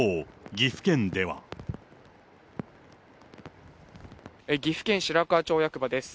岐阜県白川町役場です。